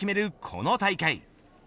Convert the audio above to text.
この大会。